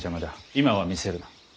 今は見せるな。